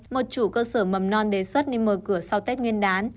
một chủ cơ sở mầm non đề xuất nên mở cửa sau tết nguyên đán